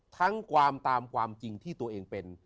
ทั้งความตามความจริงที่ตัวเองเป็น